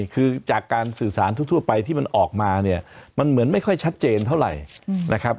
คือจากการสื่อสารทั่วไปที่มันออกมาเนี่ยมันเหมือนไม่ค่อยชัดเจนเท่าไหร่นะครับ